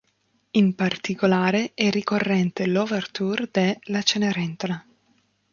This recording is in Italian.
In particolare è ricorrente l'Overture de "La Cenerentola".